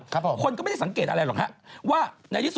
คนก็ไม่ได้สังเกตอะไรหรอกไหว่